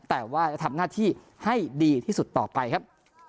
แต่ว่าจะทำหน้าที่ให้ดีที่สุดต่อไปครับ